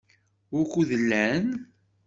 Wukud llan?